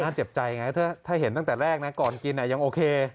เจ็บใจไงถ้าเห็นตั้งแต่แรกนะก่อนกินยังโอเค